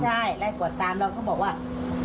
ใช่ไล่กวดตามเราก็บอกว่า